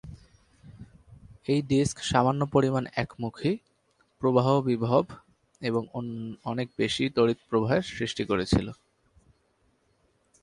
এই ডিস্ক সামান্য পরিমাণ একমুখী প্রবাহ বিভব এবং অনেক বেশি তড়িৎ প্রবাহের সৃষ্টি করেছিল।